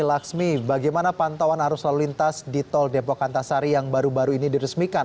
laksmi bagaimana pantauan arus lalu lintas di tol depok antasari yang baru baru ini diresmikan